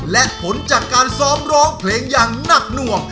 และผลจากการซ้อมร้องเพลงอย่างหนักหน่วง